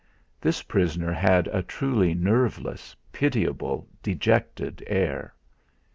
This prisoner had a truly nerveless pitiable dejected air.